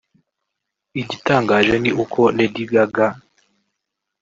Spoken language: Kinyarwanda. Igitangaje ni uko Lady Gaga